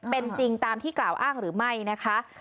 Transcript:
เป็นจริงตามที่กล่าวอ้างหรือไม่นะคะ